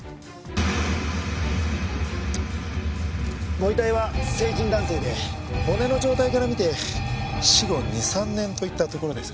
ご遺体は成人男性で骨の状態から見て死後２３年といったところです。